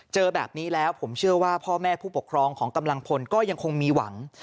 เจอแบบนี้แล้วผมเชื่อว่าพ่อแม่ผู้ปกครองของกำลังพลก็ยังคงมีหวัง